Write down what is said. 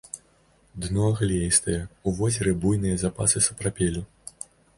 Дно глеістае, у возеры буйныя запасы сапрапелю.